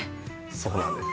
そうなんです。